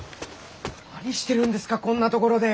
何してるんですかこんな所で！